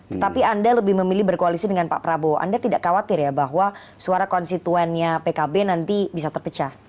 tetapi anda lebih memilih berkoalisi dengan pak prabowo anda tidak khawatir ya bahwa suara konstituennya pkb nanti bisa terpecah